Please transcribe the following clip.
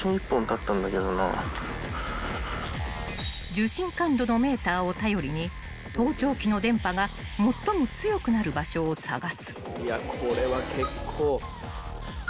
［受信感度のメーターを頼りに盗聴器の電波が最も強くなる場所を探す］